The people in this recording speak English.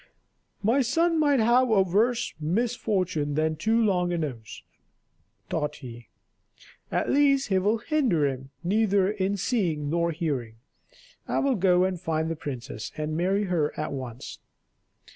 "My son might have a worse misfortune than too long a nose," thought he. "At least it will hinder him neither in seeing nor hearing. I will go and find the princess, and marry her at once."